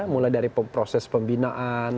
mulai dari proses pembinaan